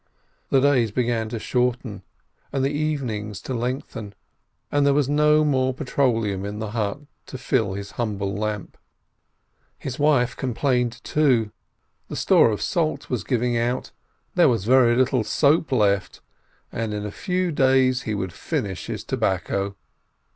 The days began to shorten and the evenings to lengthen, and there was no more petroleum in the hut to fill his humble lamp; his wife complained too — the store of salt was giving out; there was very little soap left, and in a few days he would finish his tobacco.